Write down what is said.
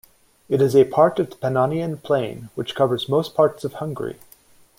It is a part of the Pannonian plain which covers most parts of Hungary.